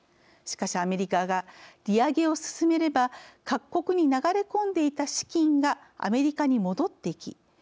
しかしアメリカが利上げを進めれば各国に流れ込んでいた資金がアメリカに戻っていき